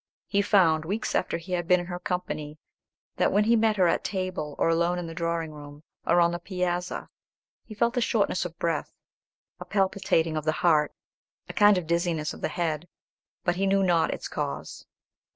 He found, weeks after he had been in her company, that when he met her at table, or alone in the drawing room, or on the piazza, he felt a shortness of breath, a palpitating of the heart, a kind of dizziness of the head; but he knew not its cause.